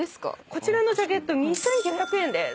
こちらのジャケット２，９００円です。